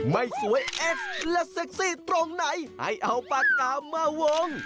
ไม่สวยเอ็ดและเซ็กซี่ตรงไหนให้เอาปากกามาวง